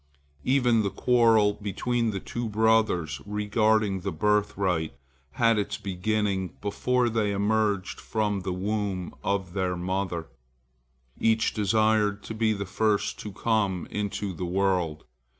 Even the quarrel between the two brothers regarding the birthright had its beginning before they emerged from the womb of their mother. Each desired to be the first to come into the world.